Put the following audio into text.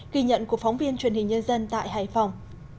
ghi nhận của phóng viên truyền hình nhân dân tại hải phòng